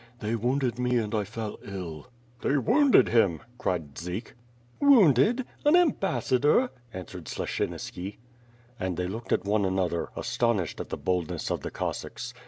"They wounded me and I fell ill.' * "They wounded him!" cried Dzik. "Wounded? An ambassador," answered Sleshiniski. And they looked at one another, astonished at the boldness of the Cossacks.